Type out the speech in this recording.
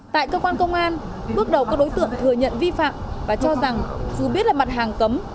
tại cơ quan công an bước đầu các đối tượng thừa nhận vi phạm và cho rằng dù biết là mặt hàng cấm